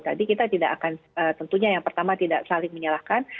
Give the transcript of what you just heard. jadi kita tidak akan tentunya yang pertama tidak saling menyalahkan